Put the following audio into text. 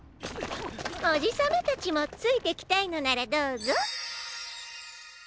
おじさまたちもついてきたいのならどうぞ。